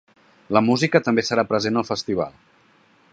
La música també serà present al festival.